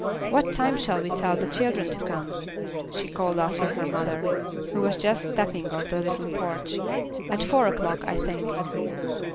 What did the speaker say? What time shall we tell the children to come?" she called after her mother, who was just stepping off the little porch. "At four o'clock, I think."